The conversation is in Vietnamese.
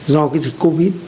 do cái dịch covid